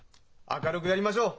明るくやりましょう！